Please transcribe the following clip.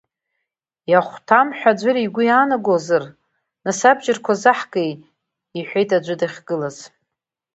Иахәҭам ҳәа аӡәыр игәы иаанагозар, нас абџьарқәа заҳки, иҳәеитаӡәы дахьгылаз.